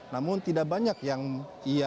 namun tidak banyak yang ia